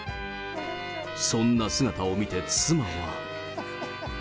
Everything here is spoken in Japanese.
そんな姿を見て、妻は。